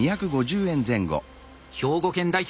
兵庫県代表